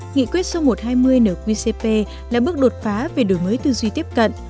nghị quyết số một trăm hai mươi nqcp là bước đột phá về đổi mới tư duy tiếp cận